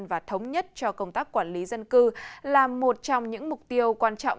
và thống nhất cho công tác quản lý dân cư là một trong những mục tiêu quan trọng